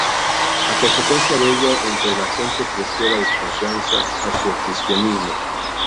A consecuencia de ello, entre la gente creció la desconfianza hacia el cristianismo.